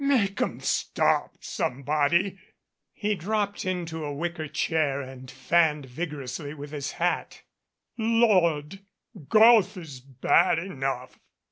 "Make 'em stop, somebody." He dropped into a wicker chair and fanned vigorously with his hat. "Lord! Golf is bad enough.